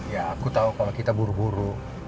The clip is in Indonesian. ya aku tau kalo kita buru buru